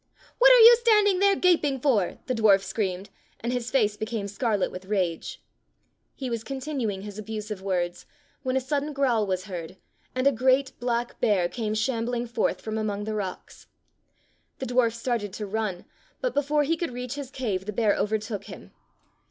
''What are you standing there gaping for.?" the dwarf screamed, and his face be came scarlet with rage. He was continuing his abusive words when a sudden growl was heard, and a great black bear came shambling forth from among the rocks. The dwarf started to run, but before he could reach his cave the bear overtook him.